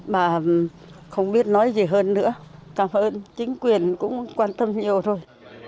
bà không biết nói gì hơn nữa cảm ơn chính quyền cũng quan tâm nhiều rồi